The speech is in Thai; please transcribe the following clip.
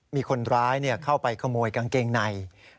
มีคนร้ายเข้าไปขโมยกางเกงใน